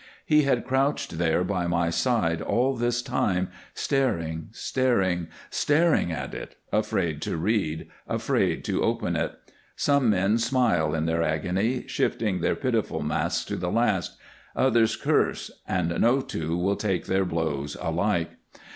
He had crouched there by my side all this time, staring, staring, staring at it, afraid to read afraid to open it. Some men smile in their agony, shifting their pitiful masks to the last, others curse, and no two will take their blows alike.